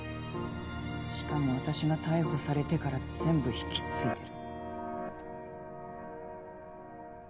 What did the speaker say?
しかも私が逮捕されてから全部引き継いでる。